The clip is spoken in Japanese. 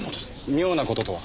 妙な事とは？